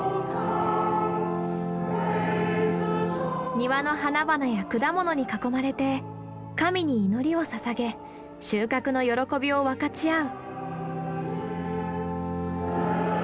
庭の花々や果物に囲まれて神に祈りをささげ収穫の喜びを分かち合う。